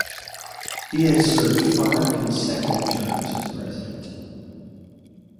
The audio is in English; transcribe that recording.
He has served five consecutive terms as president.